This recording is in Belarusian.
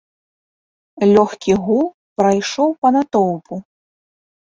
Лёгкі гул прайшоў па натоўпу.